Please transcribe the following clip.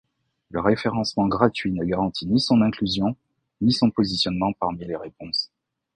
Le référencement gratuit ne garantit ni son inclusion, ni son positionnement parmi les réponses.